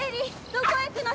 どこへ行くの？